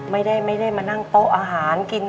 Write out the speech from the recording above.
ไม่ได้มานั่งโต๊ะอาหารกิน